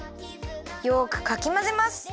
よくかきまぜます。